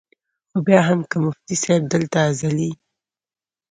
خو بیا هم کۀ مفتي صېب دلته ازلي ،